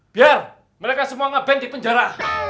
biar mereka semua ngeband di penjara